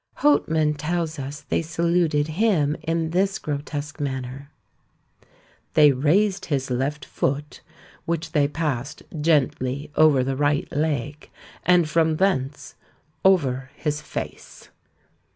Houtman tells us they saluted him in this grotesque manner: "They raised his left foot, which they passed gently over the right leg, and from thence over his face."